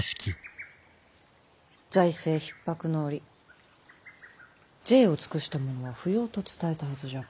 財政ひっ迫の折贅を尽くしたものは不要と伝えたはずじゃが。